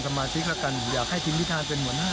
ทำแต่หลังมากับคุณพิธาณขึ้นมา